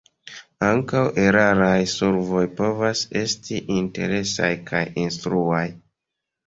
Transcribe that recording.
Ankaŭ eraraj solvoj povas esti interesaj kaj instruaj.